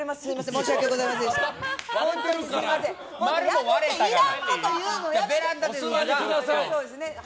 申し訳ございませんでした。